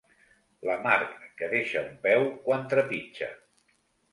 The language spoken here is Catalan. La marc que deixa un peu quan trepitja.